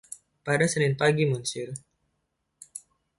Pada Senin pagi, monsieur.